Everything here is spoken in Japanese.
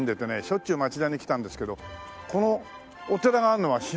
しょっちゅう町田に来ていたんですけどこのお寺があるのは知りませんでしたね。